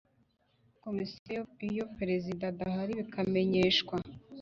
Komisiyo iyo perezida adahari bikamenyeshwa